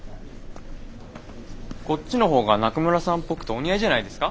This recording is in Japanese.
こっちのほうが中村さんっぽくてお似合いじゃないですか